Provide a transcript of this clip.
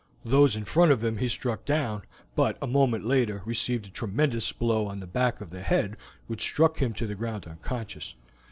Those in front of him he struck down, but a moment later received a tremendous blow on the back of the head which struck him to the ground unconscious.